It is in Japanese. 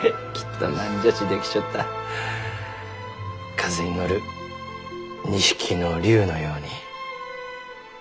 風に乗る２匹の竜のように。